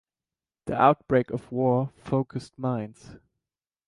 The outbreak of war focused minds.